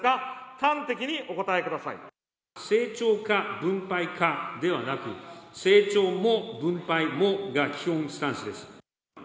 端的にお成長か、分配かではなく、成長も分配もが基本スタンスです。